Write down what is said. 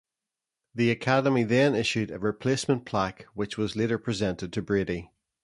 The Academy then issued a replacement plaque which was later presented to Brady.